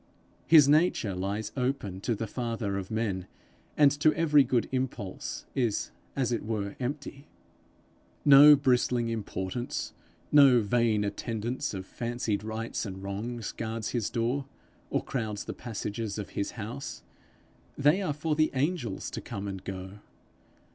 His nature lies open to the Father of men, and to every good impulse is as it were empty. No bristling importance, no vain attendance of fancied rights and wrongs, guards his door, or crowds the passages of his house; they are for the angels to come and go.